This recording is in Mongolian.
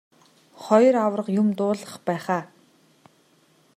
Хоёр аварга юм дуулгах байх аа.